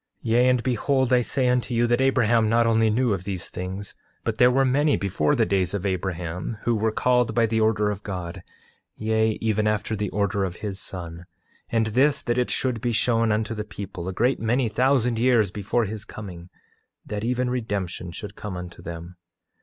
8:18 Yea, and behold I say unto you, that Abraham not only knew of these things, but there were many before the days of Abraham who were called by the order of God; yea, even after the order of his Son; and this that it should be shown unto the people, a great many thousand years before his coming, that even redemption should come unto them.